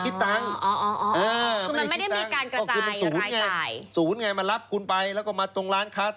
ที่ตกลงเอาไว้แล้วด้วย